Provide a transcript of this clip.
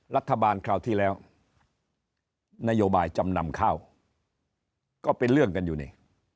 รัฐบาลคราวที่แล้วนโยบายจำนำข้าวก็เป็นเรื่องกันอยู่นี่